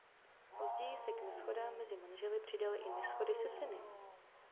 Později se k neshodám mezi manželi přidaly i neshody se syny.